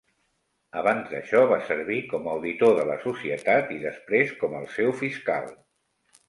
Abans d'això, va servir com auditor de la societat i després com el seu fiscal.